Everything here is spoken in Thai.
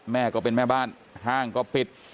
แม่ก็เป็นแม่บ้านห้างก็ปิด